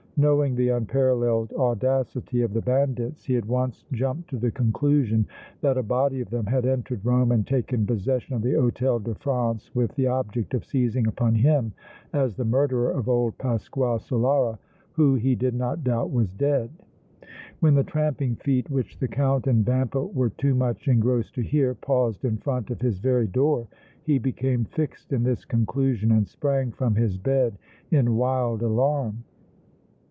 Knowing the unparalleled audacity of the bandits, he at once jumped to the conclusion that a body of them had entered Rome and taken possession of the Hôtel de France with the object of seizing upon him as the murderer of old Pasquale Solara, who, he did not doubt, was dead. When the tramping feet, which the Count and Vampa were too much engrossed to hear, paused in front of his very door he became fixed in this conclusion and sprang from his bed in wild alarm.